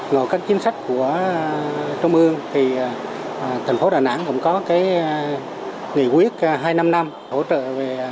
ngồi các chính sách của trung ương thì thành phố đà nẵng cũng có cái nghề quyết hai mươi năm năm hỗ trợ về